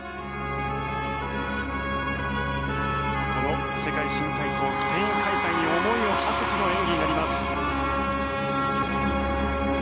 この世界新体操スペイン開催に思いをはせての演技になります。